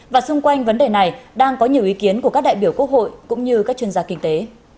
và xung quanh vấn đề này đang có nhiều ý kiến của các đại biểu quốc hội cũng như các chuyên gia kinh tế